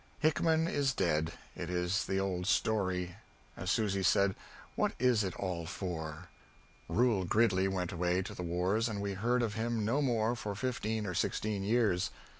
Hickman is dead it is the old story. As Susy said, "What is it all for?" Reuel Gridley went away to the wars and we heard of him no more for fifteen or sixteen years.